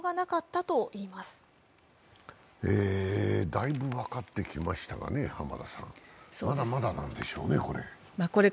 だいぶ分かってきましたが、まだまだなんでしょうね、これ。